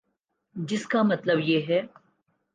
جس کا مطلب یہ ہے۔